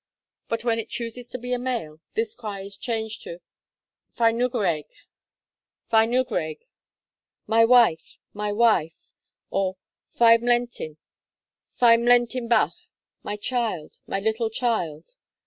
But when it chooses to be a male, this cry is changed to 'Fy ngwraig! fy ngwraig!' (my wife! my wife!) or 'Fy mlentyn, fy mlentyn bach!' (my child, my little child!)